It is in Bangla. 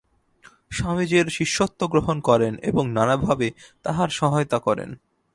স্বামীজীর শিষ্যত্ব গ্রহণ করেন এবং নানাভাবে তাঁহার সহায়তা করেন।